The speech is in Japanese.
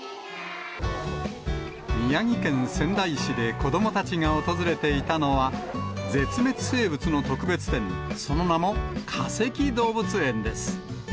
宮城県仙台市で子どもたちが訪れていたのは、絶滅生物の特別展、その名も、化石動物園です。